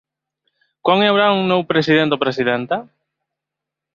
Quan hi haurà un nou president o presidenta?